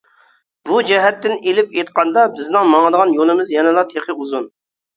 بۇ جەھەتتىن ئېلىپ ئېيتقاندا، بىزنىڭ ماڭدىغان يولىمىز يەنىلا تېخى ئۇزۇن.